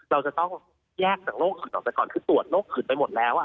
เราจะต้องแยกจากโรคขึดออกไปก่อนคือตรวจโรคขืนไปหมดแล้ว